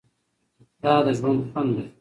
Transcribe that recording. دا د ژوند خوند دی.